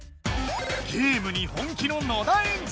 ゲームに本気の野田エンジ！